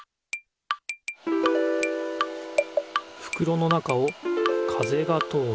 ふくろの中を風が通る。